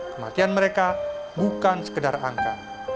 kematian mereka bukan sekedar angka